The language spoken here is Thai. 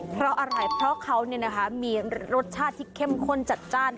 เพราะอะไรเพราะเขามีรสชาติที่เข้มข้นจัดจ้าน